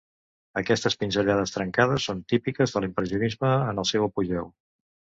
Aquestes pinzellades trencades són típiques de l'impressionisme en el seu apogeu.